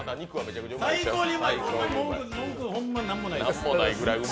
最高にうまい、文句、ホンマに何もないです。